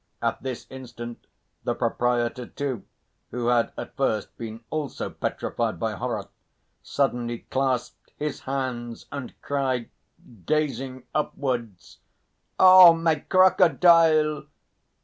At this instant the proprietor, too, who had at first been also petrified by horror, suddenly clasped his hands and cried, gazing upwards: "Oh my crocodile!